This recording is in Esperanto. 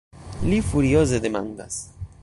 Li furioze demandas.